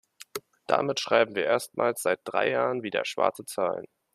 Damit schreiben wir erstmals seit drei Jahren wieder schwarze Zahlen.